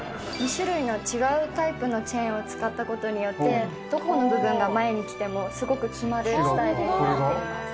２種類の違うタイプのチェーンを使った事によってどこの部分が前に来てもすごく決まるスタイルになっています。